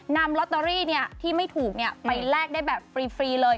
นำลอตเตอรี่ที่ไม่ถูกไปแลกได้แบบฟรีเลย